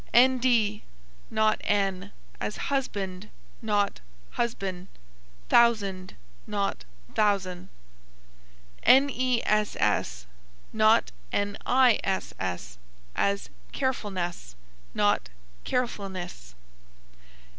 nd, not n, as husband, not husban; thousand, not thousan. ness, not niss, as carefulness, not carefulniss.